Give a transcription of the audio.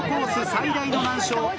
最大の難所。